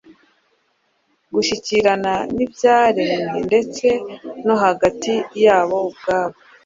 gushyikirana n’ibyaremwe ndetse no hagati yabo ubwabo.